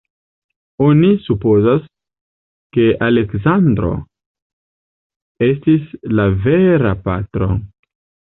Oni supozas, ke Aleksandro estis la vera patro.